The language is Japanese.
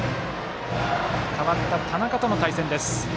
代わった田中との対戦です。